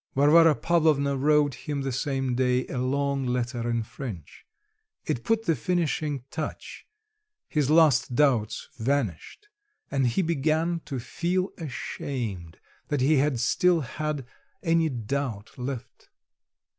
Varvara Pavlovna wrote him the same day a long letter in French. It put the finishing touch; his last doubts vanished, and he began to feel ashamed that he had still had any doubt left.